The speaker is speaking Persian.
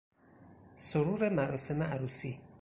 سرور مراسم عروسی